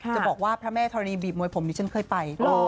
จะบอกว่าพระแม่ธรณีบีบมวยผมดิฉันเคยไป